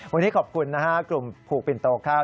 วันนี้ขอบคุณนะฮะกลุ่มผูกปิ่นโตครับ